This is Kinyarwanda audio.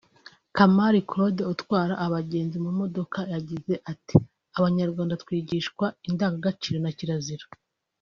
Kamali Claude utwara abagenzi mu modoka yagize ati “Abanyarwanda twigishwa indangagaciro na kirazira